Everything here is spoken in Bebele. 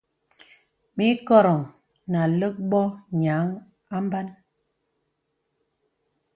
Mì ìkòrōŋ nà àlə̀k bô nīaŋ à mbānə.